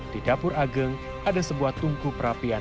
di dapur ageng ada sebuah tungku perapian